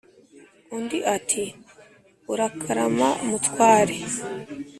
undi ati"urakarama mutware"